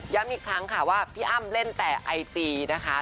อีกครั้งค่ะว่าพี่อ้ำเล่นแต่ไอจีนะคะ